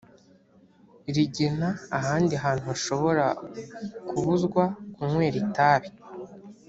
rigena ahandi hantu hashobora kubuzwa kunywera itabi